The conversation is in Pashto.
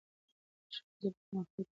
ښوونځي به پرمختګ کړی وي.